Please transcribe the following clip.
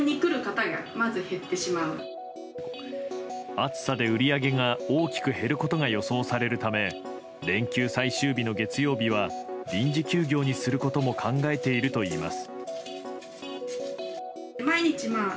暑さで、売り上げが大きく減ることが予想されるため連休最終日の月曜日は臨時休業にすることも考えているといいます。